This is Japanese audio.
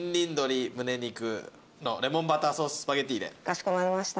かしこまりました。